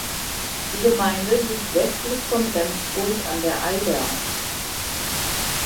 Die Gemeinde liegt westlich von Rendsburg an der Eider.